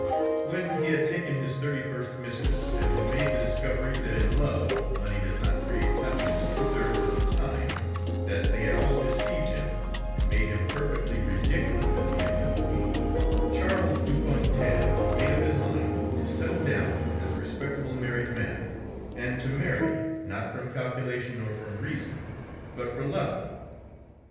When he had taken his thirty first mistress, and had made the discovery that in love, money does not create happiness two thirds of the time, that they had all deceived him, and made him perfectly ridiculous at the end of the week, Charles Dupontel made up his mind to settle down as a respectable married man, and to marry, not from calculation or from reason, but for love.